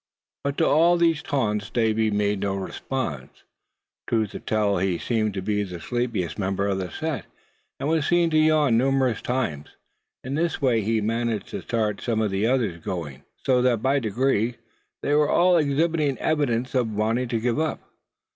But to all these taunts Davy made no response. Truth to tell he seemed to be the sleepiest member of the set, and was seen to yawn numerous times. In this way he managed to start some of the others going, so that by degrees they were all exhibiting evidences of wanting to give up.